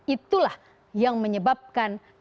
itulah yang menyebabkan kedatangan raja arab saudi